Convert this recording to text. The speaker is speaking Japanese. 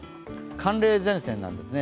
寒冷前線なんですね。